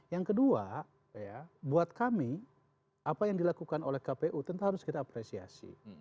yang kedua buat kami apa yang dilakukan oleh kpu tentu harus kita apresiasi